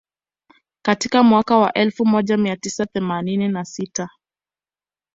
Katika mwaka wa elfu moja mia tisa themanini na sita